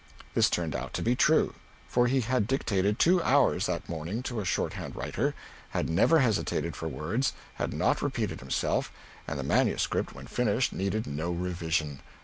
This turned out to be true. For he had dictated two hours that morning to a shorthand writer, had never hesitated for words, had not repeated himself, and the manuscript when finished needed no revision.